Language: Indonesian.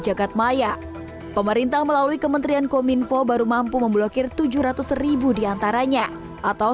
jagadmaya pemerintah melalui kementerian kominfo baru mampu memblokir tujuh ratus ribu diantaranya atau